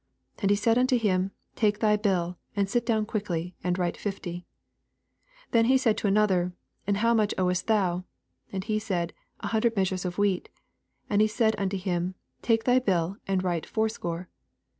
And he said unto hira, Take thy bill, and sit down quickly, and write fifty. 7 Then said he to another, And how much owest thou ? And he sfudf An hundred measures of wheat. And he said unto him. Take thy bill, and write fourscore.